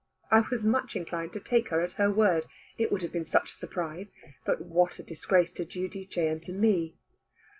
I was much inclined to take her at her word, it would have been such a surprise. But what a disgrace to Giudice and to me!